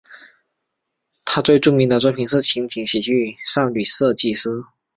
他最著名的作品是情景喜剧少女设计师。